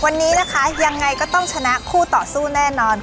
วันนี้นะคะยังไงก็ต้องชนะคู่ต่อสู้แน่นอน